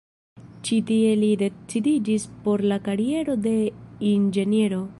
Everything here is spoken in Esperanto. Ĉi tie li decidiĝis por la kariero de Inĝeniero.